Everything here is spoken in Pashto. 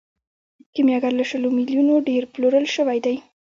کیمیاګر له شلو میلیونو ډیر پلورل شوی دی.